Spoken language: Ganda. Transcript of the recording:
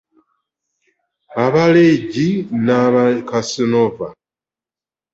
Aba legi n’aba kassanoova?